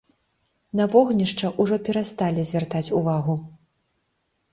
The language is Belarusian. На вогнішча ўжо перасталі звяртаць увагу.